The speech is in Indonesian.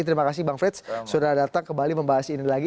terima kasih bang frits sudah datang kembali membahas ini lagi